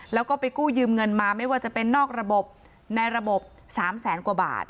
แล้วก็ไปกู้ยืมเงินมาไม่ว่าจะเป็นนอกระบบในระบบ๓แสนกว่าบาท